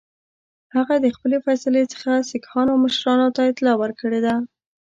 هغه د خپلي فیصلې څخه سیکهانو مشرانو ته اطلاع ورکړې ده.